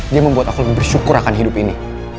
dia membuat aku lebih bersyukur akan hidup ini